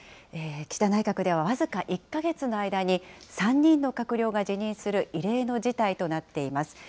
岸田内閣では僅か１か月の間に、３人の閣僚が辞任する異例の事態となっています。